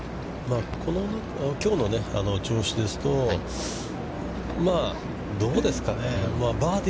きょうの調子ですと、どうですかね。